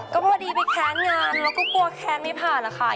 ก็พอดีไปแค้นงานแล้วก็กลัวแค้นไม่ผ่านหรอกค่ะ